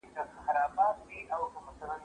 هغه وويل چي ليکلي پاڼي مهم دي!!